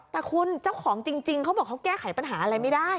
แต่คุณเจ้าของจริงเขาบอกเขาแก้ไขปัญหาอะไรไม่ได้